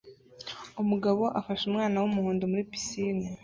Umugabo afashe umwana wumuhondo muri pisine